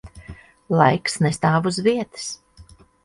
Laiks nestāv uz vietas.